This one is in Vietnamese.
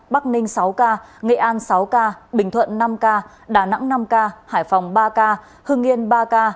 bắc ninh sáu ca nghệ an sáu ca bình thuận năm ca đà nẵng năm ca hải phòng ba ca hưng yên ba ca